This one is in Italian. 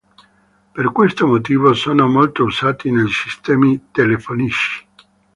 Per questo motivo sono molto usati nei sistemi telefonici.